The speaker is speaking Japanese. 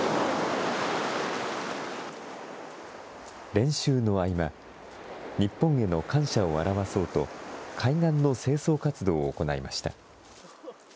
練習の合間、日本への感謝を表そうと、海岸の清掃活動を行いました。